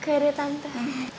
oke deh tante